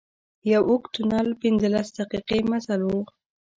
یو اوږد تونل پنځلس دقيقې مزل و.